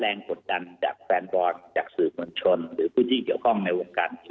และก็สปอร์ตเรียนว่าคำน่าจะมีการล็อคกรมการสังขัดสปอร์ตเรื่องหน้าในวงการกีฬาประกอบสนับไทย